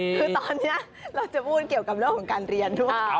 คือตอนนี้เราจะพูดเกี่ยวกับเรื่องของการเรียนด้วย